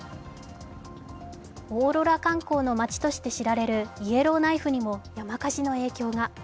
オーロラ観光の街として知られるイエローナイフにも山火事の影響が。